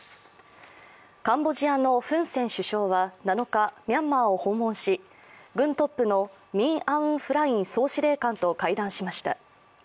カンボジアのフン・セン首相は７日、ミャンマーを訪問し、軍トップのミン・アウン・フライン総司令官と会談しました。